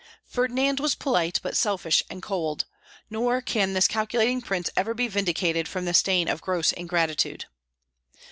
Ferdinand was polite, but selfish and cold; nor can this calculating prince ever be vindicated from the stain of gross ingratitude.